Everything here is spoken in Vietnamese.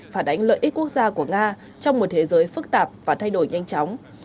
phản ánh lợi ích quốc gia của nga trong một thế giới phức tạp và thay đổi nhanh chóng